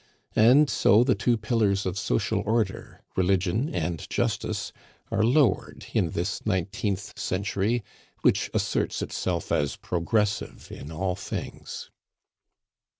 And so the two pillars of social order, Religion and Justice, are lowered in this nineteenth century, which asserts itself as progressive in all things.